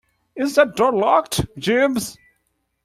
Is that door locked, Jeeves?